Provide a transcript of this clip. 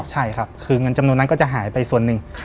ใช่ครับคือเงินจำนวนนั้นก็จะหายไปส่วนหนึ่ง